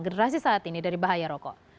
generasi saat ini dari bahaya rokok